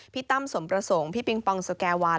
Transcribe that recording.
พี่ตั้งสมประสงค์พี่ปิ้งปองสกแกวาว